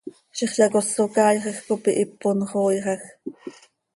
Ziix yacoso caaixaj cop ihipon xooixaj.